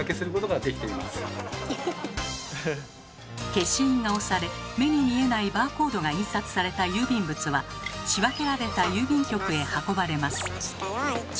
消印が押され目に見えないバーコードが印刷された郵便物は仕分けられた郵便局へ運ばれます。